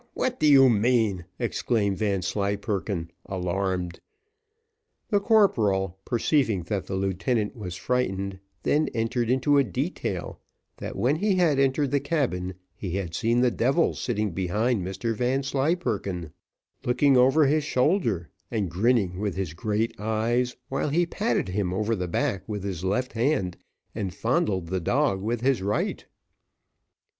what do you mean?" exclaimed Vanslyperken, alarmed. The corporal, perceiving that the lieutenant was frightened, then entered into a detail, that when he had entered the cabin he had seen the devil sitting behind Mr Vanslyperken, looking over his shoulder, and grinning with his great eyes, while he patted him over the back with his left hand and fondled the dog with his right.